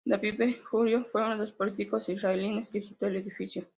David Ben-Gurión fue uno de los políticos israelíes que visitó el edificio.